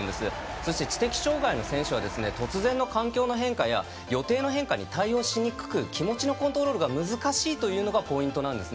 そして、知的障がいの選手は突然の環境の変化や予定の変化に対応しにくく気持ちのコントロールが難しいというのがポイントです。